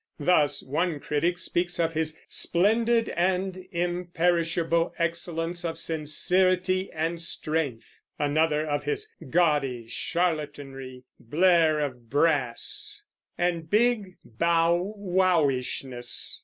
Thus one critic speaks of his "splendid and imperishable excellence of sincerity and strength"; another of his "gaudy charlatanry, blare of brass, and big bow wowishness."